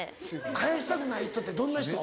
返したくない人ってどんな人？